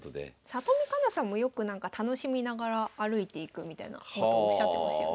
里見香奈さんもよくなんか楽しみながら歩いていくみたいなことをおっしゃってましたよね。